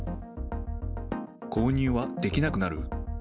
購入はできなくなる？